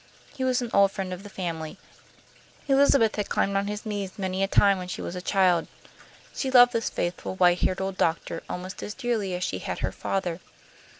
He was an old friend of the family's. Elizabeth had climbed on his knees many a time when she was a child. She loved this faithful, white haired old doctor almost as dearly as she had her father.